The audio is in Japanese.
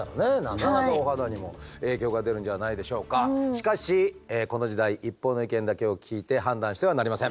しかしこの時代一方の意見だけを聞いて判断してはなりません。